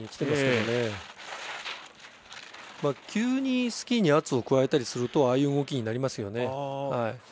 急にスキーに圧を加えたりするとああいう動きになりますよね。